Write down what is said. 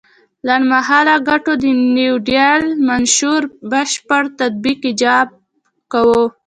لنډ مهاله ګټو د نیوډیل منشور بشپړ تطبیق ایجاب کاوه.